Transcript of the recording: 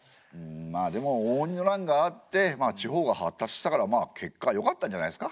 まあでも応仁の乱があってまあ地方が発達したからまあ結果よかったんじゃないですか？